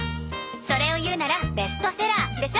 それを言うならベストセラーでしょ？